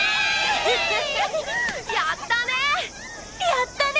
やったね！